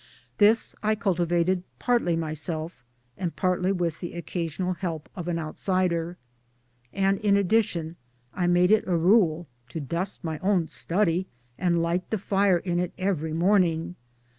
This I cultivated partly myself and partly with the occasional help of an outsider ; and in addition I made it a rule to dust my own study and light the fire in it every morning.